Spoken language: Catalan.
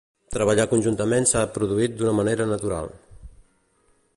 Treballar conjuntament s’ha produït d’una forma natural.